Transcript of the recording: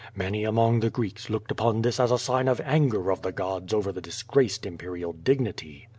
Many among the Greeks looked upon this as a sign of anger of the gods over the disgraced imperial dignity.